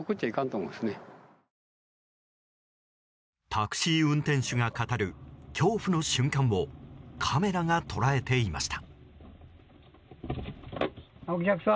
タクシー運転手が語る恐怖の瞬間をカメラが捉えていました。